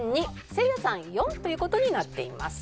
２せいやさん４という事になっています。